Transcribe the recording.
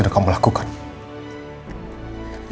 itu bener bener sudah keterlaluan elsa